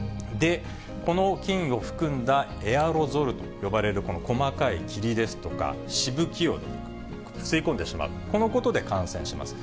この菌を含んだエアロゾルと呼ばれる、この細かい霧ですとかしぶきを吸い込んでしまう、このことで感染します。